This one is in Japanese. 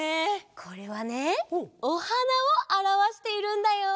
これはねおはなをあらわしているんだよ！